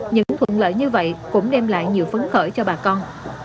những thuận lợi như vậy cũng đem lại nhiều phấn khởi cho bà con